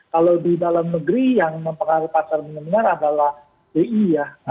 kalau di dalam negeri yang mempengaruhi pasar milenial adalah bi ya